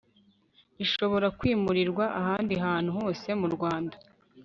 gishobora kwimurirwa ahandi hantu hose mu rwanda